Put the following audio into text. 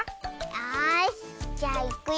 よしじゃあいくよ。